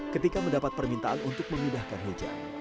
ketika mendapat permintaan untuk memindahkan hujan